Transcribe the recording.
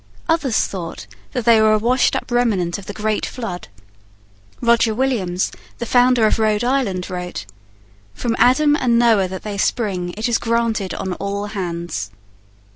Others thought that they were a washed up remnant of the great flood. Roger Williams, the founder of Rhode Island, wrote: 'From Adam and Noah that they spring, it is granted on all hands.'